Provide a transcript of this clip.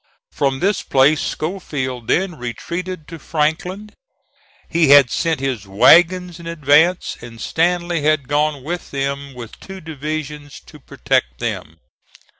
From this place Schofield then retreated to Franklin. He had sent his wagons in advance, and Stanley had gone with them with two divisions to protect them.